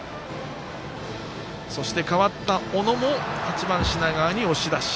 そして、代わった小野も品川に押し出し。